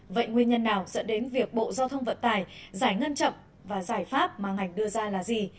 vậy nguyên nhân nào dẫn đến việc bộ giao thông vận tải giải ngân chậm và giải pháp mà ngành đưa ra là gì